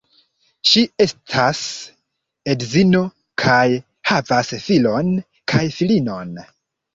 Ŝi estas edzino kaj havas filon kaj filinon.